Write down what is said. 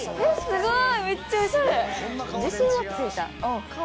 すごい！